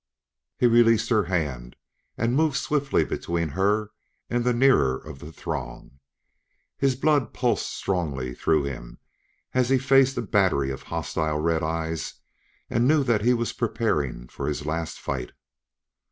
He released her hand and moved swiftly between her and the nearer of the throng; and his blood pulsed strongly through him as he faced a battery of hostile red eyes and knew that he was preparing for his last fight.